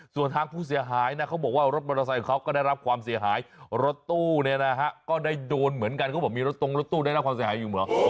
ส่วนทางผู้เสียหายนะเขาบอกว่ารถมอเตอร์ไซค์เขาก็ได้รับความเสียหายรถตู้เนี่ยนะฮะก็ได้โดนเหมือนกันเขาบอกมีรถตรงรถตู้ได้รับความเสียหายอยู่เหรอ